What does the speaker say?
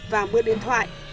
và mưa điện thoại